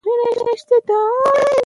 ساده جمله ژر په فکر کښي کښېني.